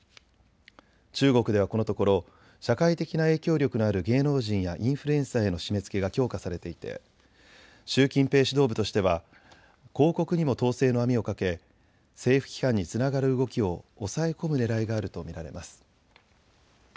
中国ではこのところ社会的な影響力のある芸能人やインフルエンサーへの締めつけが強化されていて習近平指導部としては広告にも統制の網をかけ政府批判につながる動きを抑え込むねらいがあると見られます。